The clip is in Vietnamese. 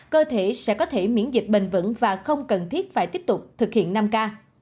cơ thể sẽ có thể miễn dịch bền vững và không cần thiết phải tiếp tục thực hiện năm k